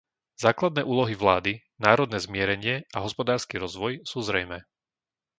Základné úlohy vlády - národné zmierenie a hospodársky rozvoj - sú zrejmé.